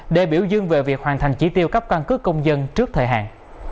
để biểu dương về việc hoàn thành chỉ tiêu cấp căn cứ công dân trước thời hạn